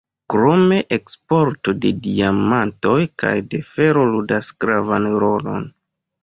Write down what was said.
Krome eksporto de diamantoj kaj de fero ludas gravan rolon.